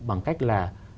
bằng cách là